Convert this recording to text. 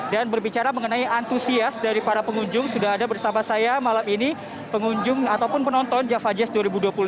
dan berbicara mengenai antusias dari para pengunjung sudah ada bersama saya malam ini pengunjung ataupun penonton java jazz dua ribu dua puluh dua